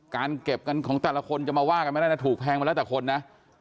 การเก็บกันของแต่ละคนจะมาว่ากันไม่ได้นะถูกแพงมาแล้วแต่คนนะ